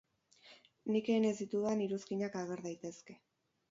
Nik egin ez ditudan iruzkinak ager daitezke.